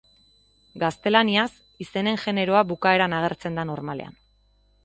Gaztelaniaz, izenen generoa bukaeran agertzen da normalean.